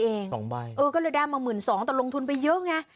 สองใบเออก็เลยได้มา๑๒๐๐แต่ลงทุนไปเยอะไง